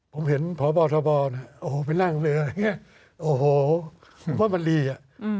ผมเห็นพบทบไปนั่งเหลือโอ้โหผมว่ามันลีอ่ะ